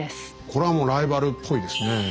これはもうライバルっぽいですねえ。